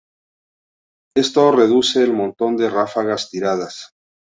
Esto reduce el montón de ráfagas tiradas.